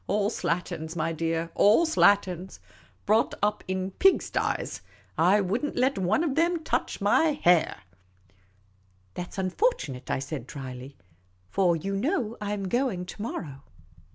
" All slatterns, my dear; all slatterns! Brought up in pig sties. I would n't let one of them touch my hair for thousands." " That 's unfortunate," I said, drily, " for you know I 'm going to morrow."